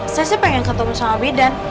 saya sih pengen ketemu sama bidan